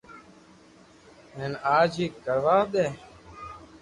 ھين آج ھي ڪروا ديو